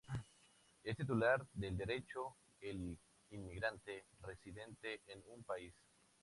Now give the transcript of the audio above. Es titular del derecho el inmigrante residente en un país.